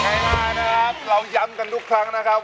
เวลานะครับเราย้ำกันทุกครั้งนะครับ